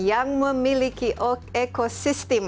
yang memiliki ekosistem